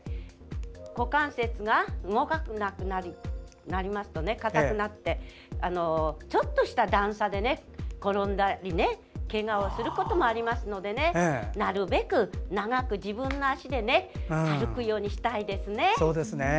股関節が硬くなって動かなくなりますとちょっとした段差で転んだりけがをすることがありますのでなるべく長く自分の脚で歩くようにしたいですね。